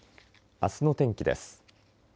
あすの天気です。